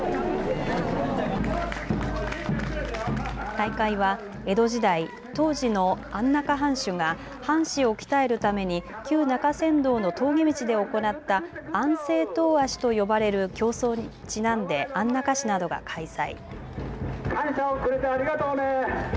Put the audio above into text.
大会は江戸時代、当時の安中藩主が藩士を鍛えるために旧中山道の峠道で行った安政遠足と呼ばれる競走にちなんで安中市などが開催。